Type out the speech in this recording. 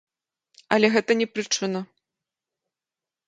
Але гэта не прычына.